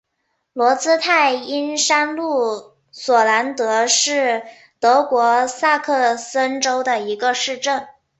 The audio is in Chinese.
罗茨泰因山麓索兰德是德国萨克森州的一个市镇。